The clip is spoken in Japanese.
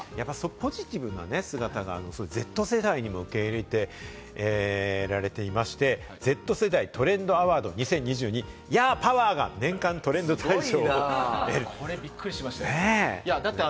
ポジティブな姿がＺ世代に受け入れられていまして、Ｚ世代トレンドアワード２０２２、「ヤー！パワー！」が年間トレンド大賞。